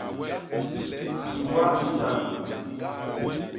Sua i jañgôlô.